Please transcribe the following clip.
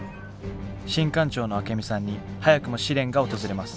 新艦長のアケミさんに早くも試練が訪れます。